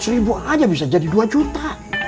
dua ratus ribu aja bisa jadi dua juta